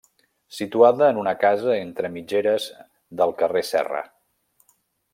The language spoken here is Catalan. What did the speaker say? Situada en una casa entre mitgeres del carrer Serra.